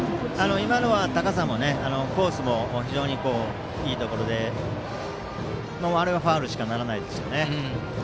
今のは高さもコースも非常にいいところであれはファウルにしかならないです。